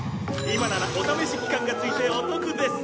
「今ならお試し期間がついてお得です！」